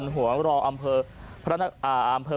โหดมรอำเภอ